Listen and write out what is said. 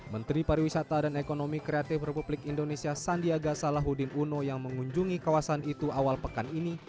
menteri pariwisata dan ekonomi kreatif republik indonesia sandiaga salahuddin uno yang mengunjungi kawasan itu awal pekan ini